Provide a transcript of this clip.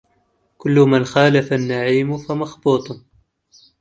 كل من خالف النعيم فمغبوط